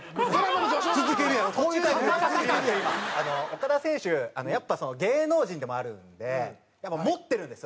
岡田選手やっぱ芸能人でもあるのでやっぱ持ってるんですよ